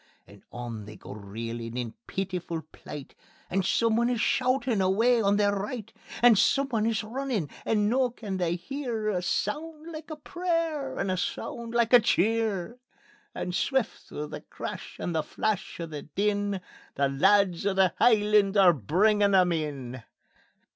And on they go reelin' in peetifu' plight, And someone is shoutin' away on their right; And someone is runnin', and noo they can hear A sound like a prayer and a sound like a cheer; And swift through the crash and the flash and the din, The lads o' the Hielands are bringin' them in.